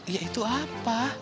ya itu apa